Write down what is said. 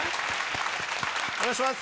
お願いします